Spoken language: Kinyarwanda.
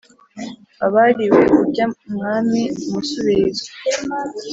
abariwe urya umwami umusubirizo